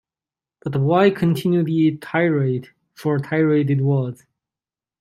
But why continue the tirade, for tirade it was.